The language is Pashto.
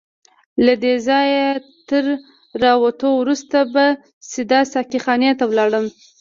له دې ځایه تر راوتو وروسته به سیده ساقي خانې ته ولاړم.